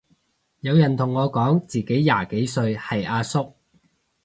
有人同我講自己廿幾歲係阿叔